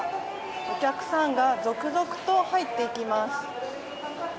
お客さんが続々と入っていきます。